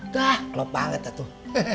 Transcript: dah lo banget tuh